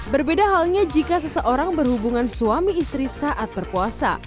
berbeda halnya jika seseorang berhubungan suami istri saat berpuasa